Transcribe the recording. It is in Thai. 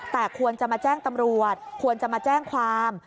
แต่ควรจะมาแจ้งตำรวจควรจะมาแจ้งความ